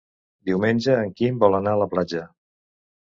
Diumenge en Quim vol anar a la platja.